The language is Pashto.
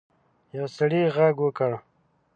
یو سړي غږ وکړ.